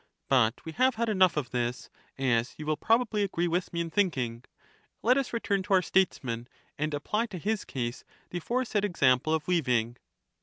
But we have had enough of this, as you will probably agree with me in thinking. Let us return to our Statesman, and apply to his case the afore said example of weaving.